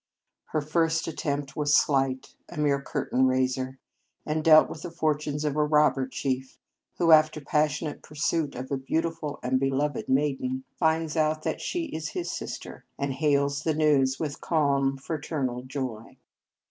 Her first attempt was slight, a mere curtain raiser, and dealt with the fortunes of a robber chief, who, after passionate pursuit of a beautiful and beloved maiden, finds out that she is his sister, and hails the news with calm fraternal joy.